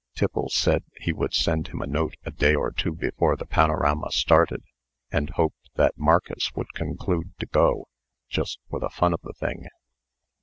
Tiffles said he would send him a note a day or two before the panorama started, and hoped that Marcus would conclude to go, just for the fun of the thing.